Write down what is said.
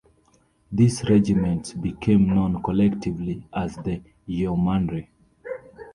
These regiments became known collectively as the Yeomanry.